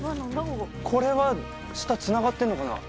これは下つながってんのかな？